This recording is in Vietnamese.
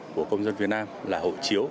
của công dân việt nam là hội chiếu